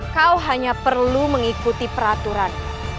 kau hanya perlu mengikuti peraturan